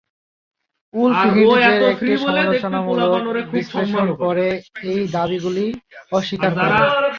Wolf হিন্টজের একটি সমালোচনামূলক বিশ্লেষণ পরে এই দাবিগুলি অস্বীকার করে।